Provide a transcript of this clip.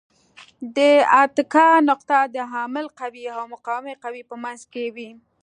د اتکا نقطه د عامل قوې او مقاومې قوې په منځ کې وي.